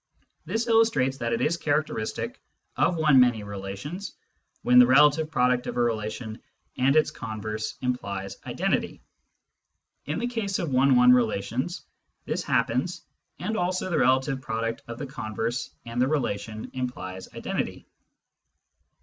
This illustrates that it is characteristic of one many relations when the relative product of a relation and its converse implies identity. In the case of one one relations 'this happens, and also the relative product of the converse and the relation implies identity.